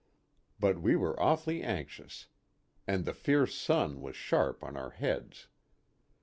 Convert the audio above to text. But we were awfully anxious. And the fierce sun was sharp on our heads.